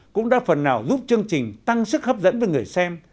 cũng đã phần nào giúp chương trình tăng sức hấp dẫn với người xem